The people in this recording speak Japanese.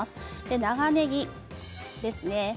長ねぎですね。